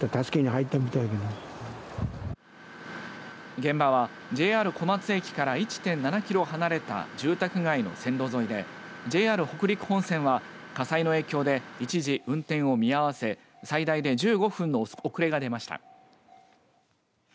現場はＪＲ小松駅から１．７キロ離れた住宅街の線路沿いでＪＲ北陸本線は火災の影響で一時運転を見合わせ最大で１５分の遅れが出ました。